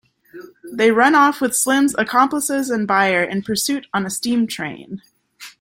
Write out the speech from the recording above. They run off with Slim's accomplices and buyer in pursuit on a steam train.